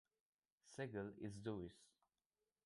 Segal is Jewish.